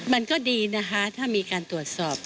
มันก็ดีนะคะถ้ามีการตรวจสอบ